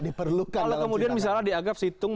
diperlukan dalam situng kalau kemudian misalnya diagap situng